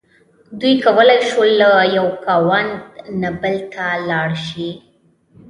دوی کولی شول له یوه خاوند نه بل ته لاړ شي.